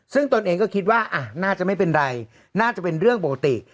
ซึ่งตนเองก็คิดว่าน่าจะไม่เป็นไรน่าจะเป็นเรื่องปกติ